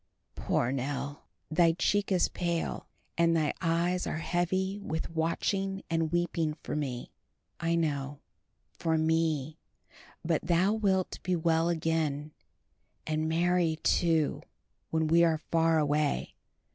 Poor Nell! Thy cheek is pale, and thy eyes are heavy with watching and weeping for me—I know—for me; but thou wilt be well again, and merry too, when we are far away.